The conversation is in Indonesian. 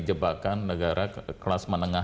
jebakan negara kelas menengah